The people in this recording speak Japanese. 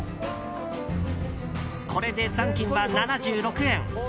これで残金は７６円。